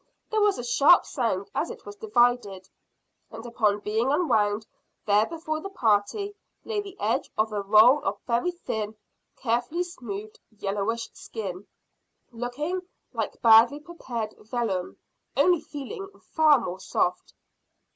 There was a sharp sound as it was divided, and upon being unwound there before the party lay the edge of a roll of very thin, carefully smoothed, yellowish skin, looking like badly prepared vellum, only feeling far more soft.